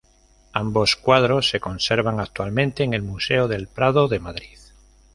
Ambos cuadros se conservan actualmente en el Museo del Prado de Madrid.